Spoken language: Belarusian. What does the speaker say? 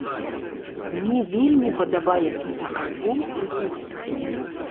Мне вельмі падабаецца альбом і гурт.